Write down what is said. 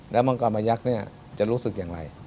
แล้วมังกรพยักษ์จะรู้สึกอย่างไร